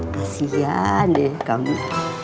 kasian deh kamu